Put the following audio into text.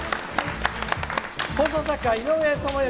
放送作家、井上知幸。